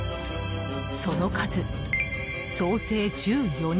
その数、総勢１４人。